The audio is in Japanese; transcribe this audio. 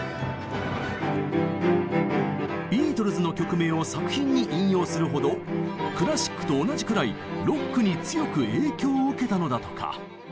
ビートルズの曲名を作品に引用するほどクラシックと同じくらいロックに強く影響を受けたのだとか。